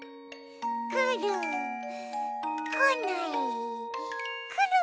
くるこないくる！